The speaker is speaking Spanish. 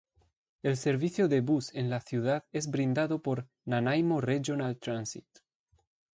El servicio de Bus en la ciudad es brindado por Nanaimo Regional Transit.